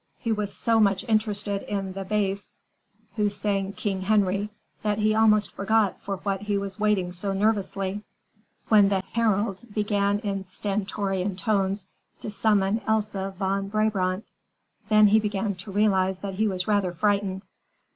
He was so much interested in the bass who sang King Henry that he had almost forgotten for what he was waiting so nervously, when the Herald began in stentorian tones to summon Elsa Von Brabant. Then he began to realize that he was rather frightened.